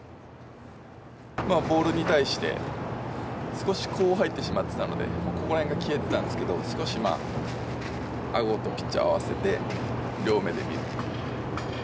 ボールに対して少しこう入ってしまってたのでここら辺が消えてたんですけど、少し顎とピッチャーを合わせて両目で見る。